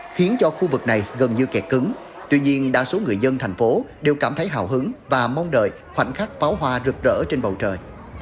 khiến cho khu vực này gần như kẹt cứng tuy nhiên đa số người dân thành phố đều cảm thấy hào hứng và mong đợi khoảnh khắc pháo hoa rực rỡ trên bầu trời